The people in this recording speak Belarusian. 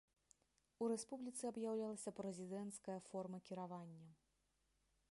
У рэспубліцы аб'яўлялася прэзідэнцкая форма кіравання.